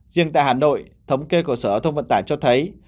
riêng tại hà nội thống kê của sở giao thông vận tải cho thấy